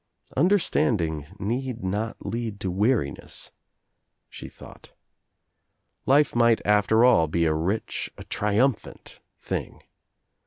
"Understanding need not lead to weariness," she thought. Life might after all be a rich, a trium phant thing.